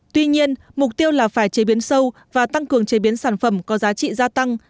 tuy nhiên mục tiêu là phải chế biến sâu và tăng cường chế biến sản phẩm có giá trị gia tăng